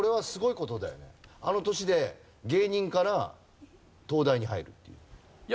あの年で芸人から東大に入るっていう。